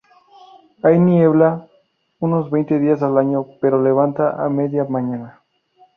Hay niebla unos veinte días al año pero levanta a media mañana.